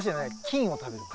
菌を食べる。